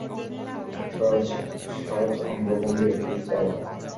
সহজ অঙ্গভঙ্গির একটি চাল।